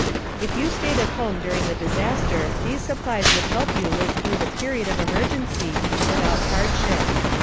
If you stayed at home during the disaster, these supplies would help you live through the period of emergency without hardship.